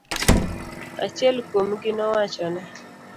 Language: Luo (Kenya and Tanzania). Achiel kuomgi nowachone.